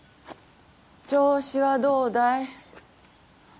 調子はどうだい？